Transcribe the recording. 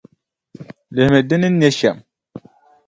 Lihimi di ni ne shɛm.